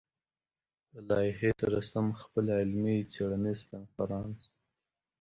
له لايحې سره سم خپل علمي-څېړنيز کنفرانس